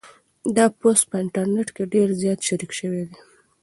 دا پوسټ په انټرنيټ کې ډېر زیات شریک شوی دی.